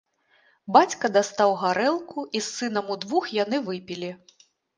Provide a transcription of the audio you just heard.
Бацька дастаў гарэлку, і з сынам удвух яны выпілі.